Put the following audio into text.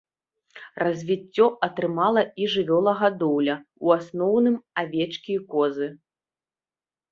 Развіццё атрымала і жывёлагадоўля, у асноўным авечкі і козы.